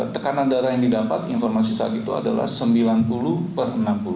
tekanan darah yang didapat informasi saat itu adalah sembilan puluh per enam puluh